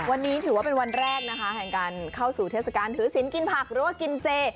วันนี้ถือว่าเป็นวันแรกนะคะแห่งการเข้าสู่เทศกาลถือศิลปกินผักหรือว่ากินเจ